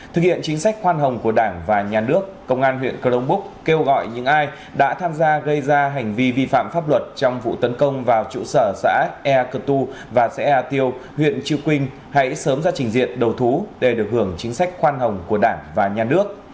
thực hiện chính sách khoan hồng của đảng và nhà nước công an huyện cờ đông búc kêu gọi những ai đã tham gia gây ra hành vi vi phạm pháp luật trong vụ tấn công vào trụ sở xã ea cơ tu và xã ea tiêu huyện chư quynh hãy sớm ra trình diện đầu thú để được hưởng chính sách khoan hồng của đảng và nhà nước